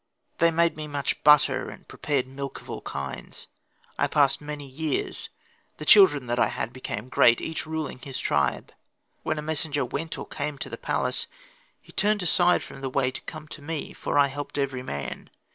They made me much butter, and prepared milk of all kinds. I passed many years, the children that I had became great, each ruling his tribe. When a messenger went or came to the palace, he turned aside from the way to come to me; for I helped every man.